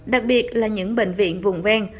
đặc biệt là những bệnh viện vùng ven